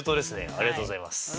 ありがとうございます。